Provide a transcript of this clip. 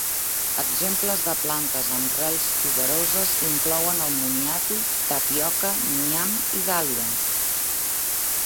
Exemples de plantes amb rels tuberoses inclouen el moniato, tapioca, nyam i dàlia.